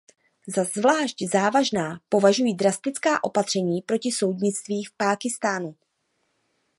Za zvlášť závažná považuji drastická opatření proti soudnictví Pákistánu.